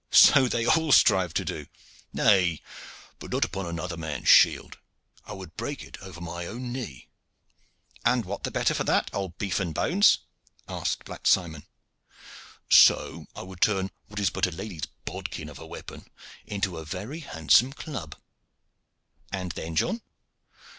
"So they all strive to do." "Nay, but not upon another man's shield. I would break it over my own knee." "And what the better for that, old beef and bones?" asked Black Simon. "So I would turn what is but a lady's bodkin of a weapon into a very handsome club." "And then, John?"